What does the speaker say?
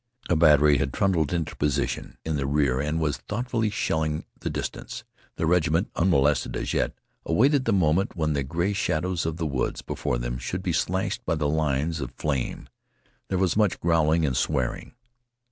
A battery had trundled into position in the rear and was thoughtfully shelling the distance. The regiment, unmolested as yet, awaited the moment when the gray shadows of the woods before them should be slashed by the lines of flame. There was much growling and swearing.